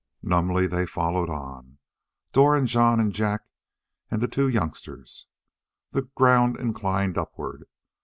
Numbly they followed on Dor and Jon and Jak and the two youngsters. The ground inclined upward.